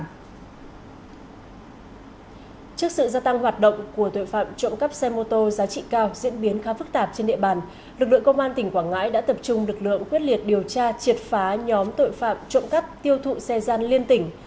trước sự gia tăng hoạt động của tội phạm trộm cắp xe mô tô giá trị cao diễn biến khá phức tạp trên địa bàn lực lượng công an tỉnh quảng ngãi đã tập trung lực lượng quyết liệt điều tra triệt phá nhóm tội phạm trộm cắp tiêu thụ xe gian liên tỉnh